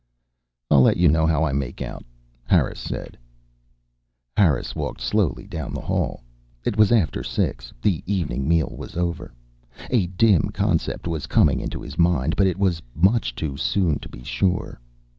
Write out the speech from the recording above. "I'll let you know how I make out," Harris said. Harris walked slowly down the hall. It was after six; the evening meal was over. A dim concept was coming into his mind, but it was much too soon to be sure.